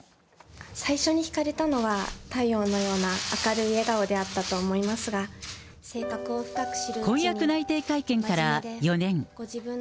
最初に引かれたのは太陽のような明るい笑顔であったと思いま婚約内定会見から４年。